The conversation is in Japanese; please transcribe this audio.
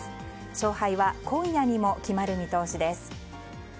勝敗は今夜にも決まる見通しです。